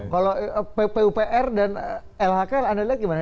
kalau pupr dan lhk anda lihat gimana